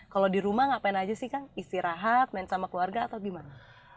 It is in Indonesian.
kalau di rumah ngapain aja sih kang istirahat main sama keluarga atau gimana